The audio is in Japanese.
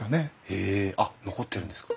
へえあっ残ってるんですか？